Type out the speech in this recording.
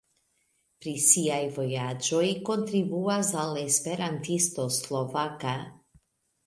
Pri siaj vojaĝoj kontribuas al Esperantisto Slovaka.